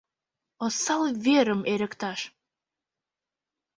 Осал верым эрыкташ!